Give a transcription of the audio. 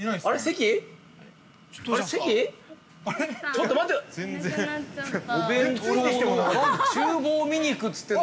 ちょっと待って！